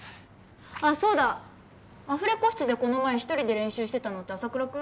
あっそうだアフレコ室でこの前一人で練習してたのって朝倉君？